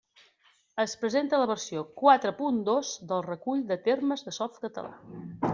Es presenta la versió quatre punt dos del Recull de termes de Softcatalà.